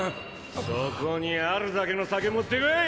そこにあるだけの酒持ってこい！